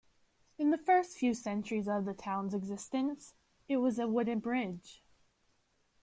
In the first few centuries of the town's existence, it was a wooden bridge.